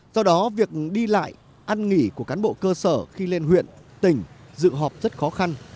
do đó việc đi lại ăn nghỉ của cán bộ cơ sở khi lên huyện tỉnh dự họp rất khó khăn